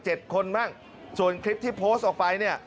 คนบ้างส่วนคลิปที่โพสต์ออกไปเนี่ย